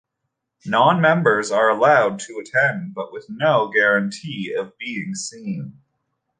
Non-members are allowed to attend, but with no guarantee of being seen.